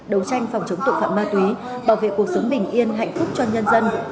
đấu tranh phòng chống tội phạm ma túy bảo vệ cuộc sống bình yên hạnh phúc cho nhân dân